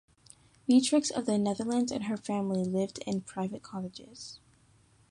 Beatrix of the Netherlands and her family lived in private cottages.